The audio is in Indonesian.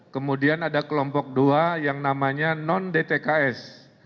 kemudian ada kelompok dua yang namanya non dtks